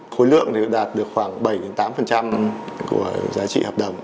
khối lượng đạt được khoảng bảy tám của giá trị hợp đồng